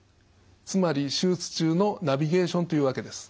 つまり手術中のナビゲーションというわけです。